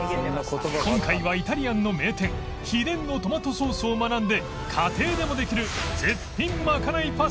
今回はイタリアンの名店秘伝のトマトソースを学んで家庭でもできる絶品まかないパスタを作る！